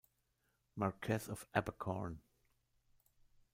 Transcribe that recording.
Marquess of Abercorn.